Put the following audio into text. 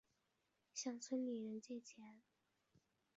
向村里的人借钱